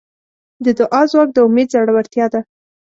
د دعا ځواک د امید زړورتیا ده.